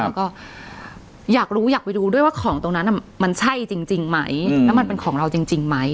แล้วก็อยากรู้อยากไปดูด้วยว่าของตรงนั้นมันใช่จริงไหมแล้วมันเป็นของเราจริงไหม